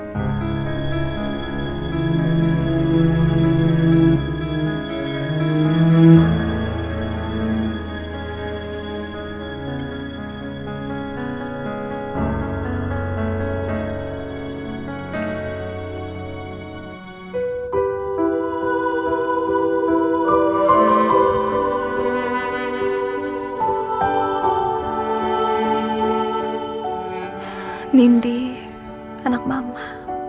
jadi anak mama